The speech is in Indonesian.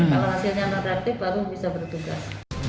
kalau hasilnya non reaktif baru bisa bertugas